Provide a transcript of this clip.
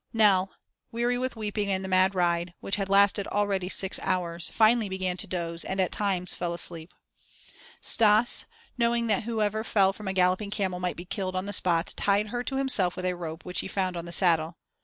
Nell, weary with weeping and the mad ride, which had lasted already six hours, finally began to doze, and at times fell asleep. Stas, knowing that whoever fell from a galloping camel might be killed on the spot, tied her to himself with a rope which he found on the saddle.